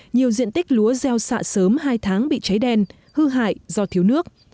nhiều diện tích lúa gieo xạ sớm hai tháng bị cháy đen hư hại do thiếu nước